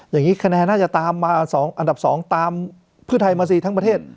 อย่างนี้คะแนนน่าจะตามมา๒อันดับ๒ตามเพื่อไทยมาสิทั้งประเทศ